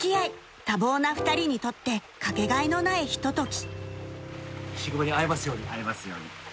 ［多忙な２人にとってかけがえのないひととき］